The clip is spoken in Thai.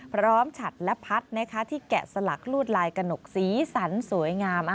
ฉัดและพัดที่แกะสลักลวดลายกระหนกสีสันสวยงาม